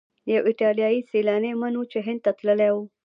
یو ایټالیایی سیلانی منوچي هند ته تللی و.